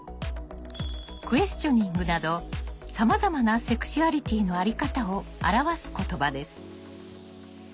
クエスチョニングなどさまざまなセクシュアリティーの在り方を表す言葉です。